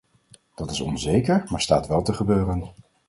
Dat is onzeker, maar staat wel te gebeuren.